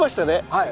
はい。